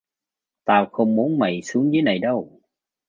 Tao không muốn mày xuống dưới này đâu